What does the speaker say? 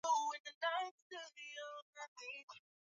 Bana mutenga juya bwizi